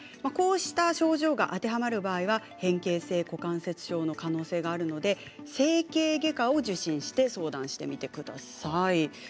こうした症状が当てはまる場合は変形性股関節症の可能性があるので整形外科を受診して相談してみてください。